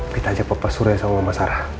kita ajak papa surya sama mama sarah